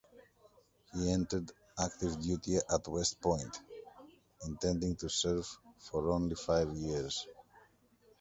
He entered active duty at West Point, intending to serve for only five years.